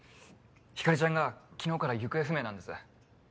光莉ちゃんが昨日から行方不明なんです。